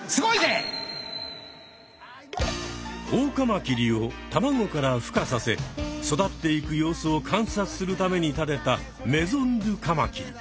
オオカマキリを卵からふかさせ育っていく様子を観察するために建てたメゾン・ドゥ・カマキリ。